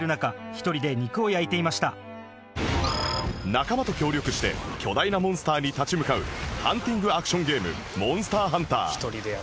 仲間と協力して巨大なモンスターに立ち向かうハンティングアクションゲーム『モンスターハンター』